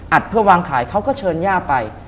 อัดเพื่อวางขายเขาก็เชิญหญ้าไป